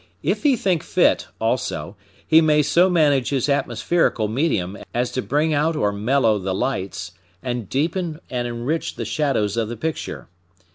If he think fit, also, he may so manage his atmospherical medium as to bring out or mellow the lights and deepen and enrich the shadows of the picture.